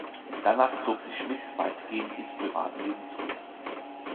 Danach zog sich Schmidt weitgehend ins Privatleben zurück.